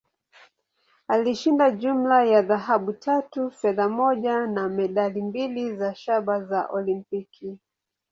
Alishinda jumla ya dhahabu tatu, fedha moja, na medali mbili za shaba za Olimpiki.